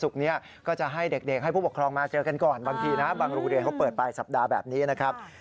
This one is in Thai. เขาเปิดปลายสัปดาห์แบบนี้นะครับ